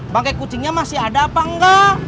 bangkai kucingnya masih ada apa enggak